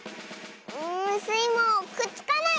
んスイもくっつかない！